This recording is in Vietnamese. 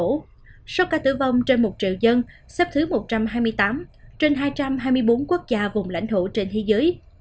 trong số ca tử vong trên một triệu dân xếp thứ một trăm hai mươi tám trên hai trăm hai mươi bốn quốc gia vùng lãnh thổ trên thế giới